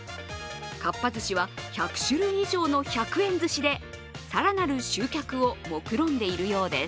かっぱ寿司は１００種類以上の１００円ずしで更なる集客をもくろんでいるようです。